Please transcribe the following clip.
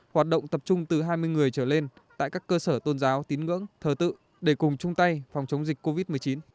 hoạt động tập trung từ hai mươi người trở lên tại các cơ sở tôn giáo tín ngưỡng thờ tự để cùng chung tay phòng chống dịch covid một mươi chín